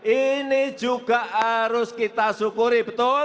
ini juga harus kita syukuri betul